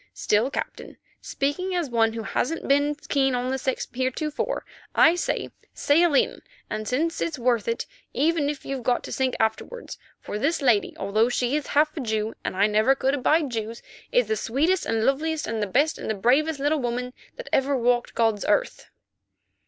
Still, Captain, speaking as one who hasn't been keen on the sex heretofore, I say—sail in, since it's worth it, even if you've got to sink afterwards, for this lady, although she is half a Jew, and I never could abide Jews, is the sweetest and the loveliest and the best and the bravest little woman that ever walked God's earth."